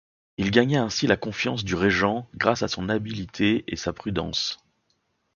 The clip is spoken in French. Il gagna ainsi la confiance du Régent grâce à son habilité et sa prudence.